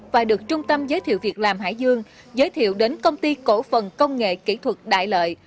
và được trung tâm giới thiệu việc làm hải dương giới thiệu đến công ty cổ phần công nghệ kỹ thuật đại lợi